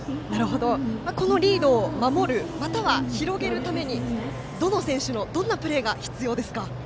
このリードを守るまたは広げるためにどの選手のどんなプレーが必要ですか。